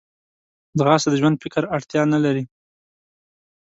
ځغاسته د ژور فکر اړتیا نه لري